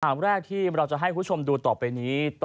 ภาระแรกที่เราจะให้คุณดูต่อไปนี้